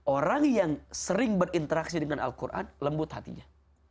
orang yang sering berinteraksi dengan al quran lembut hatinya